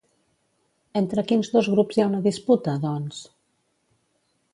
Entre quins dos grups hi ha una disputa, doncs?